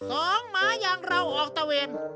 หมาอย่างเราออกตะเวน